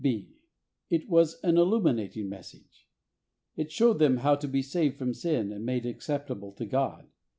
(b) It was an illuminating message. It showed them how to be saved from sin and made acceptable to God.